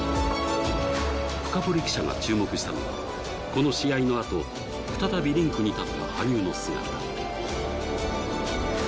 フカボリ記者が注目したのはこの試合の後再びリンクに立った羽生の姿